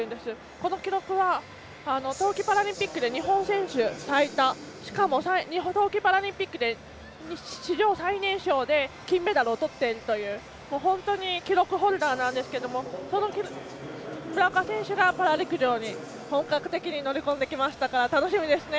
この記録は冬季パラリンピックで日本人選手最多しかも日本冬季パラリンピックで史上最年少で金メダルをとっているという本当に記録ホルダーなんですがその村岡選手がパラ陸上に本格的に乗り込んできましたから楽しみですね。